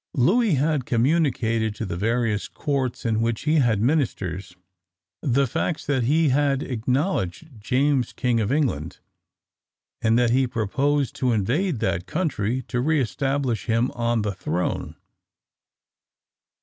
Louis had communicated to the various courts in which he had ministers, the facts that he had acknowledged James King of England, and that he purposed to invade that country to re establish him on the throne.